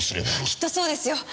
きっとそうですよ！